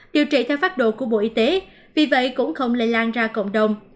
điều trị theo phát độ của bộ y tế vì vậy cũng không lây lan ra cộng đồng